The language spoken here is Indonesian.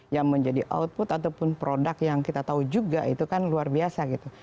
yang menjadi output ataupun produk yang kita tahu juga itu kan luar biasa gitu